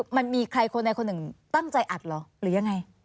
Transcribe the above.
มันมีใครคนใดคนหนึ่งตั้งใจอัดเหรอหรือยังไง